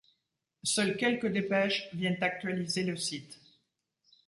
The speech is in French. Seules quelques dépêches viennent actualiser le site.